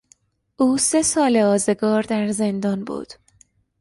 او سه سال آزگار در زندان بود.